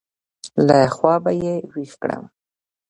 له خوابه يې وېښ کړم.